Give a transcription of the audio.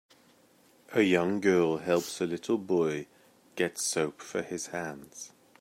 A young girl helps a little boy get soap for his hands.